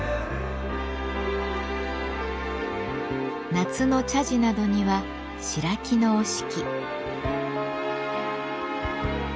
夏の茶事などには白木の折敷。